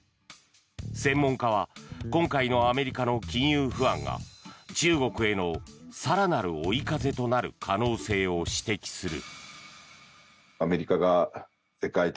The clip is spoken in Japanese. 専門家は今回のアメリカの金融不安が中国への更なる追い風となる可能性を指摘する。